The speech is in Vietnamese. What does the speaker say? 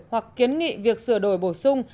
hoặc kiến nghị việc sửa đổi bổ sung